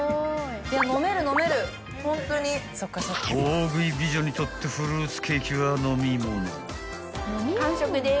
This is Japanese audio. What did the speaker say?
［大食い美女にとってフルーツケーキは飲み物］